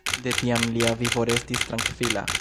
De tiam lia vivo restis trankvila.